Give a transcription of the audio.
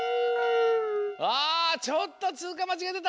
あちょっとつうかまちがでた。